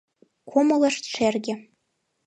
Кумылышт шерге.